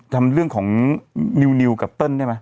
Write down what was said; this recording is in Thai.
ทำเรื่องของนิวนิวกับเต้นใช่ไหม